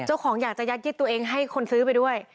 อยากจะยัดยึดตัวเองให้คนซื้อไปด้วย